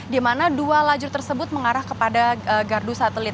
di mana dua lajur tersebut mengarah kepada gardu satelit